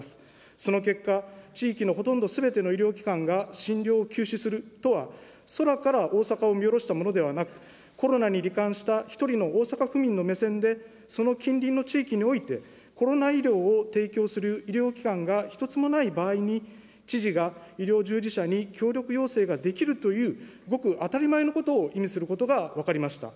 その結果、地域のほとんどすべての医療機関が診療を休止するとは空から大阪を見下ろしたものではなく、コロナにり患した一人の大阪府民の目線で、その近隣の地域において、コロナ医療を提供する医療機関が一つもない場合に、知事が医療従事者に協力要請ができるという、ごく当たり前のことを意味することが分かりました。